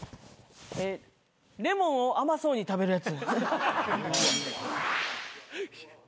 レモンを甘そうに食べるやつ。